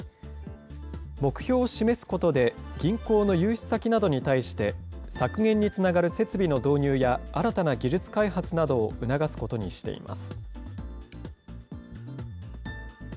目標を示すことで、銀行の融資先などに対して、削減につながる設備の導入や、新たな技術開発などを促すことにしています。